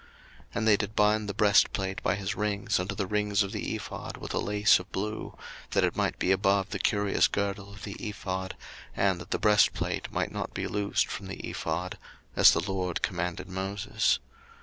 02:039:021 And they did bind the breastplate by his rings unto the rings of the ephod with a lace of blue, that it might be above the curious girdle of the ephod, and that the breastplate might not be loosed from the ephod; as the LORD commanded Moses.